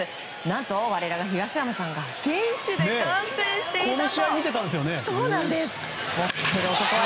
何と我らが東山さんが現地で観戦していたと。